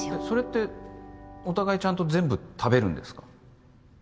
それってお互いちゃんと全部食べるんですか？